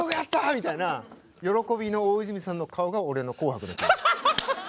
みたいな喜びの大泉さんの顔が俺の「紅白」の記憶。